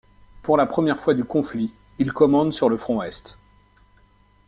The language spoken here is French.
Pour la première fois du conflit, il commande sur le front est.